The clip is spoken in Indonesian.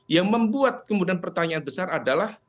yang membuat kemudian pertanyaan besar adalah